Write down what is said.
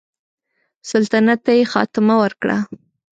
سلطنت ته یې خاتمه ورکړه.